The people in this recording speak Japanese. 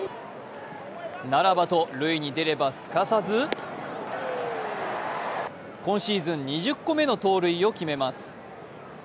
ならばと塁に出ればすかさず今シーズン２０個目の盗塁を決めます。